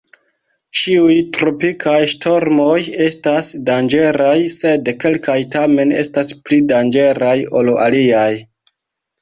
Ĉiuj tropikaj ŝtormoj estas danĝeraj, sed kelkaj tamen estas pli danĝeraj ol aliaj.